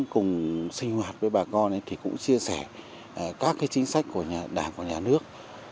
cùng sinh hoạt với bà con thì cũng chia sẻ các chính sách của đảng và nhà nước